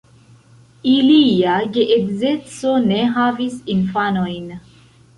Ilia geedzeco ne havis infanojn.